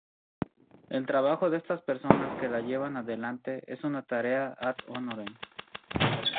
El trabajo de estas personas que la llevan adelante es una tarea ad honorem.